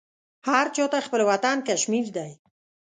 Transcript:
هر چاته خپل وطن کشمير دى.